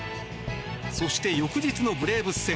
そして翌日のブレーブス戦。